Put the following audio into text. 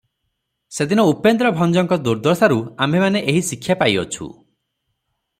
ସେଦିନ ଉପେନ୍ଦ୍ରଭଞ୍ଜଙ୍କ ଦୁର୍ଦ୍ଦଶାରୁ ଆମ୍ଭେମାନେ ଏହି ଶିକ୍ଷା ପାଇଅଛୁ ।